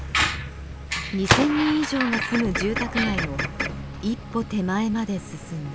２，０００人以上が住む住宅街の一歩手前まで進んだ。